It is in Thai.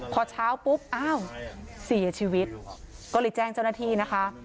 พอเช้าปุ๊บอ้าวเสียชีวิตก็เลยแจ้งเจ้าหน้าที่นะคะ